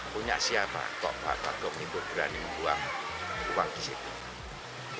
punya siapa mbah bagung itu berani membuang di situ